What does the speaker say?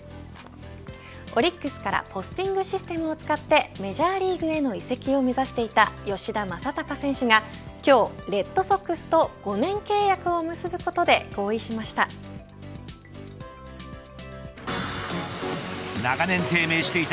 オリックスからポスティングシステムを使ってメジャーリーグへの移籍を目指していた吉田正尚選手が今日レッドソックスと５年契約を結ぶことで合意しました。